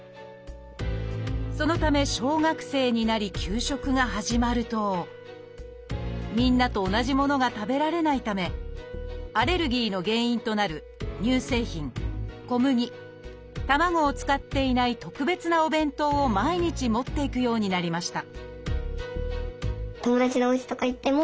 そのため小学生になり給食が始まるとみんなと同じものが食べられないためアレルギーの原因となる乳製品小麦卵を使っていない特別なお弁当を毎日持っていくようになりました